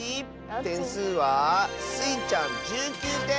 てんすうはスイちゃん１９てん！